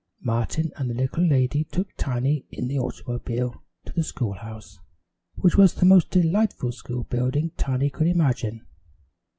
Martin and the little lady took Tiny in the automobile to the schoolhouse, which was the most delightful school building Tiny could imagine.